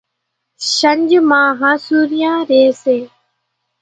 شنجھ مان ۿاسُوريان ريئيَ سي۔